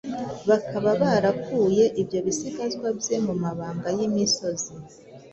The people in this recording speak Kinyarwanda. bakaba barakuye ibyo bisigazwa bye mu mabanga y’imisozi